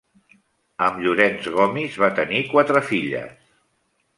Amb Llorenç Gomis va tenir quatre filles.